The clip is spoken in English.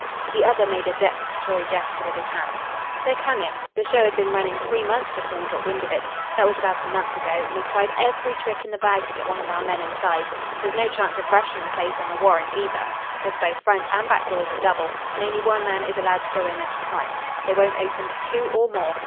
The other made a deprecatory gesture with his hands. "They're cunning. The show had been running three months before we got wind of it. That was about a month ago, and we've tried every trick in the bag to get one of our men inside. There's no chance of rushing the place on a warrant either, because both front and back doors are double, and only one man is allowed to go in at a time. They won't open to two or more.